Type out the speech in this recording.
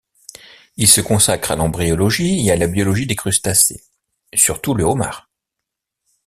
Il se consacre à l’embryologie et la biologie des crustacés, surtout le homard.